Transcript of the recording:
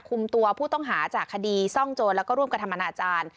คุมตัวผู้ต้องหาจากคดีซ่องโจรแล้วก็ร่วมกระทำอนาจารย์